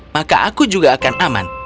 maka aku juga akan aman